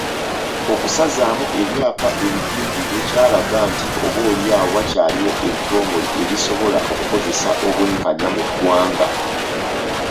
Okusazaamu ebyapa ebijingirire kyalaga nti oboolyawo wakyaliwo ebitongole ebisobola okukozesa obwenkanya mu ggwanga.